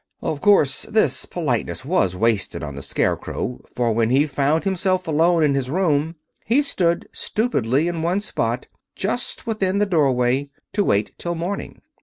Of course this politeness was wasted on the Scarecrow; for when he found himself alone in his room he stood stupidly in one spot, just within the doorway, to wait till morning.